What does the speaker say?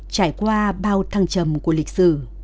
trải qua bao thăng trầm của lịch sử